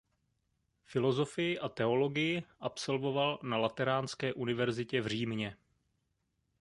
Filozofii a teologii absolvoval na Lateránské univerzitě v Římě.